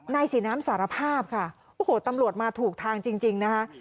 สีน้ำสารภาพค่ะโอ้โหตำรวจมาถูกทางจริงนะคะ